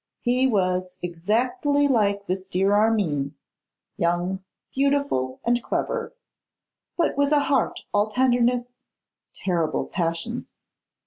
He was exactly like this dear Armine, young, beautiful, and clever, but with a heart all tenderness, terrible passions.